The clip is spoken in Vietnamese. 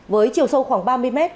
với chiều sâu khoảng ba mươi mét